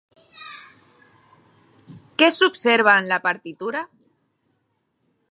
Què s'observa en la partitura?